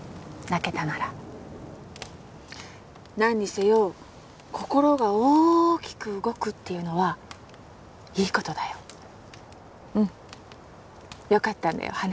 泣けたなら何にせよ心が大きく動くっていうのはいいことだようんよかったんだよ